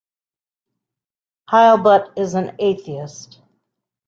Heilbut is an atheist.